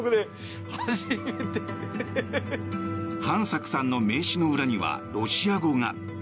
飯作さんの名刺の裏にはロシア語が。